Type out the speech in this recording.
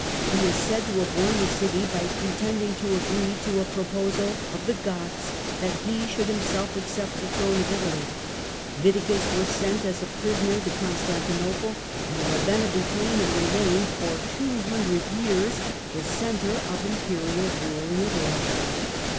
He is said to have won the city by pretending to agree to a proposal of the Goths that he should himself accept the throne of [taly. Witigis was sent as a prisoner to Constantinople, md Ravenna became, and remained for two hundred fears, the centre of Imperial rule in Italy.